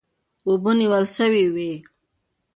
اوبه نیول سوې وې.